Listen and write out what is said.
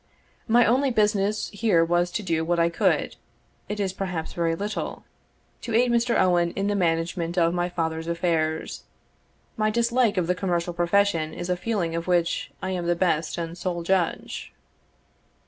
My only business here was to do what I could (it is perhaps very little) to aid Mr. Owen in the management of my father's affairs. My dislike of the commercial profession is a feeling of which I am the best and sole judge."